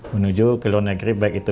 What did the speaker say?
menuju ke luar negeri baik itu